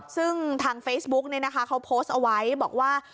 ซึ่งทางเฟซบุ๊กเนี่ยนะคะเค้าโพสต์เอาไว้บอกว่า